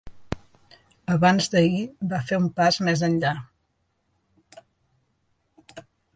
Abans-d’ahir va fer un pas més enllà.